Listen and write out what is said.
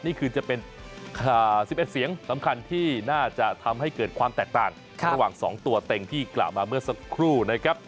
นี่คือจะเป็น๑๑เสียงสำคัญที่น่าจะทำให้เกิดความแตกต่างระหว่าง๒ตัวเต็งที่กล่าวมาเมื่อสักครู่นะครับ